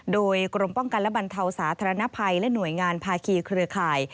โดยกรมป้องกันและบรรเทาสาธารณภัยและหน่วยงานภาคีเครือข่าย